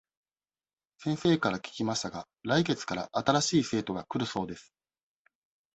先生から聞きましたが、来月から新しい生徒が来るそうです。